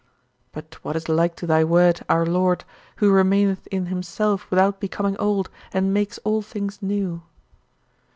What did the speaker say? But what is like to thy Word, our Lord, who remaineth in himself without becoming old, and "makes all things new"?